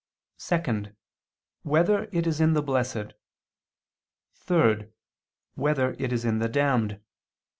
(2) Whether it is in the blessed? (3) Whether it is in the damned?